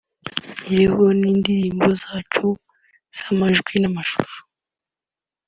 Iriho n’indirimbo icumi z’amajwi n’amashusho